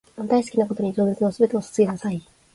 大好きなことに情熱のすべてを注ぎなさい